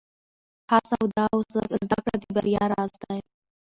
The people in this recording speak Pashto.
ښه سواد او زده کړه د بریا راز دی.